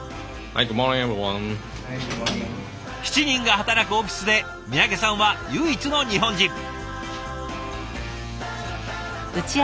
７人が働くオフィスで三宅さんは唯一の日本人。